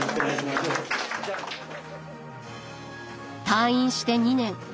退院して２年。